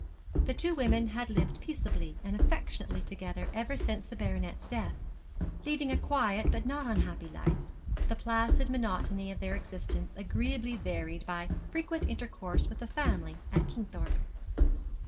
The two women had lived peaceably and affectionately together ever since the baronet's death, leading a quiet but not unhappy life, the placid monotony of their existence agreeably varied by frequent intercourse with the family at Kingthorpe.